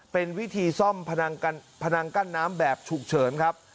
เป็นวิธีซ่อมพนังกั้นน้ำแบบฉุกเฉินครับ